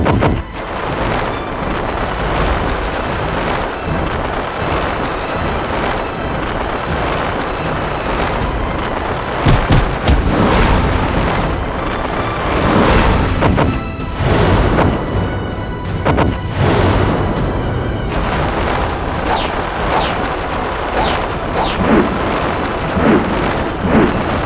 mungkin suaraku akan kembali lagi